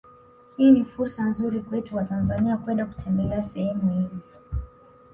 Hii ni fursa nzuri kwetu watanzania kwenda kutembelea sehemu hizi